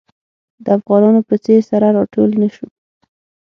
د افغانانو په څېر سره راټول نه شو.